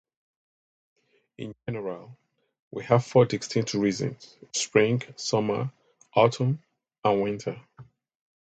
In general, we have four distinct seasons - spring, summer, autumn, and winter.